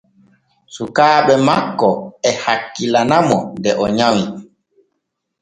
Sukaaɓe makko e hakkilana mo de o nyawi.